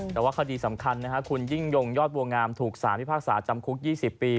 แต่ว่าคดีสำคัญคุณยิ่งยงยอดบัวงามถูกสารพิพากษาจำคุก๒๐ปี